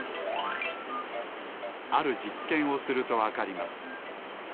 あるじっけんをするとわかります。